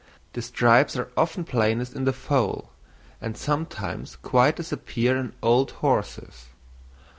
The stripes are often plainest in the foal; and sometimes quite disappear in old horses.